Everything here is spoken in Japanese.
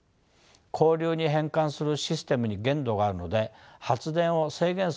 交流に変換するシステムに限度があるので発電を制限するケースもあります。